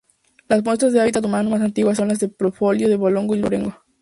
Las muestras de hábitat humano más antiguas son los petroglifos de Valongo y Louredo.